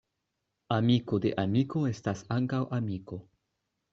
Amiko de amiko estas ankaŭ amiko.